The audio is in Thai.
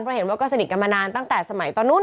เพราะเห็นว่าก็สนิทกันมานานตั้งแต่สมัยตอนนู้น